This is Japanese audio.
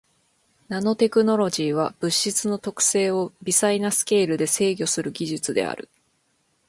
ナノテクノロジーは物質の特性を微細なスケールで制御する技術である。